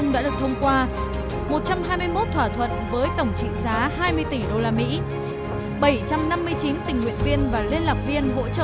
và dự phòng phục vụ tuần lễ cấp cao apec hai nghìn một mươi bảy